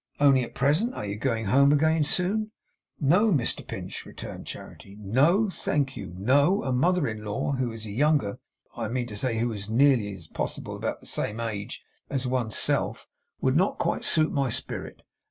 'Only at present! Are you going home again soon?' 'No, Mr Pinch,' returned Charity. 'No, thank you. No! A mother in law who is younger than I mean to say, who is as nearly as possible about the same age as one's self, would not quite suit my spirit.